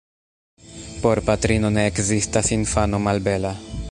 Por patrino ne ekzistas infano malbela.